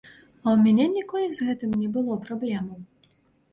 А ў мяне ніколі з гэтым не было праблемаў.